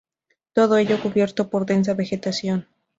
Todo ello cubierto por densa vegetación.